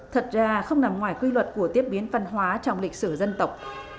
thật ra không nằm ngoài quy luật của tiếp biến văn hóa trong lịch sử dân tộc